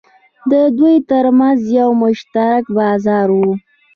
د دوی ترمنځ یو مشترک بازار و.